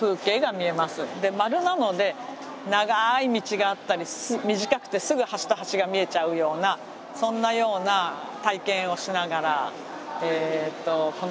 円なので長い道があったり短くてすぐ端と端が見えちゃうようなそんなような体験をしながらこの中を回れます。